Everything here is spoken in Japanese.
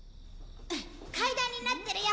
階段になってるよ。